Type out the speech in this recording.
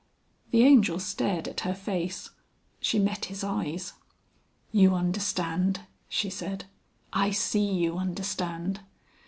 The Angel stared at her face. She met his eyes. "You understand," she said. "I see you understand."